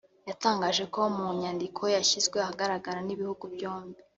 yatangaje ko mu nyandiko yashyizwe ahagaragara n’ibihugu byombi